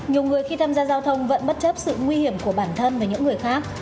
nhiều người khi tham gia giao thông vẫn bất chấp sự nguy hiểm của bản thân và những người khác